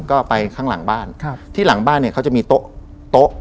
ก็ไปข้างหลังบ้านครับที่หลังบ้านเนี่ยเขาจะมีโต๊ะโต๊ะ